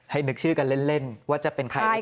ให้นึกชื่อกันเล่นว่าจะเป็นใครหรือเปล่า